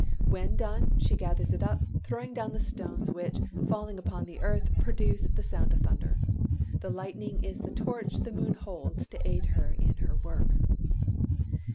When done, she gathers it up, throwing down the stones, which, falling upon the earth, produce the sound of thunder. The lightning is the torch the moon holds to aid her in her work.